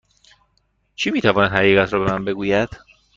کی می تواند حقیقت را به من بگوید؟